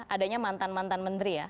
adanya mantan mantan menteri ya